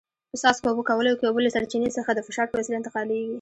په څاڅکو اوبه کولو کې اوبه له سرچینې څخه د فشار په وسیله انتقالېږي.